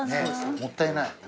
もったいない。